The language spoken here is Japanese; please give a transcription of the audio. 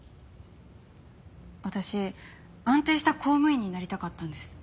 私安定した公務員になりたかったんです。